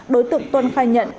đối tượng tuân khai nhận